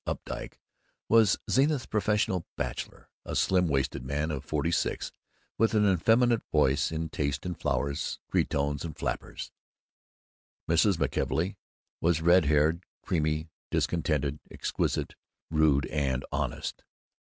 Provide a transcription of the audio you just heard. Updike was Zenith's professional bachelor; a slim waisted man of forty six with an effeminate voice and taste in flowers, cretonnes, and flappers. Mrs. McKelvey was red haired, creamy, discontented, exquisite, rude, and honest.